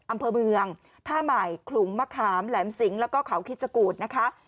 อำเภอเมืองท่าใหม่ขลุงมะขามแหลมสิงแล้วก็เขาคิดสกูธนะคะ